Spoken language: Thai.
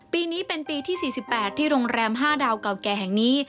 ปีนี้เป็นปีที่๔๘ที่โรงแรม๕ดาวเก่าแก่แห่งนี้